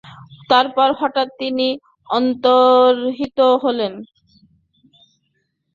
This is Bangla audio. তারপর হঠাৎ তিনি অন্তর্হিত হলেন।